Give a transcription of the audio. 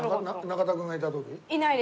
中田君がいた時？